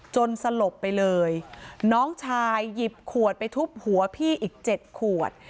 สลบไปเลยน้องชายหยิบขวดไปทุบหัวพี่อีกเจ็ดขวด